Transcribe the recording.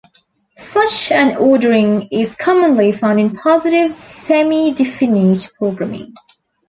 Such an ordering is commonly found in positive semidefinite programming.